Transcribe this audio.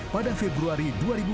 pada februari dua ribu sembilan belas